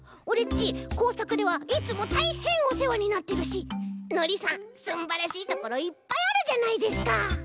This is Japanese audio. ちこうさくではいつもたいへんおせわになってるしのりさんすんばらしいところいっぱいあるじゃないですか。